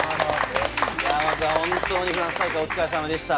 まずは本当にフランス大会、お疲れ様でした。